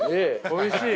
◆おいしい？